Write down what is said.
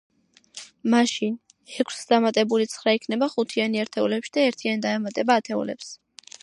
მაშინ, ექვსს დამატებული ცხრა იქნება ხუთიანი ერთეულებში და ერთიანი დაემატება ათეულებს.